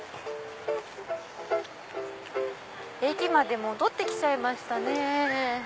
駅まで戻って来ちゃいましたね。